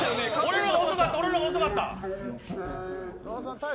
俺の方が遅かった！